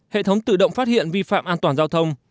hệ thống tự động phát hiện vi phạm an toàn giao thông